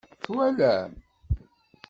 Twalam?